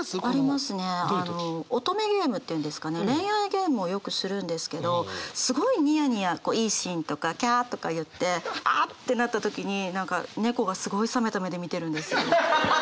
恋愛ゲームをよくするんですけどすごいニヤニヤいいシーンとか「キャ」とか言って「あ」ってなった時に何か猫がすごい冷めた目で見てるんですよ。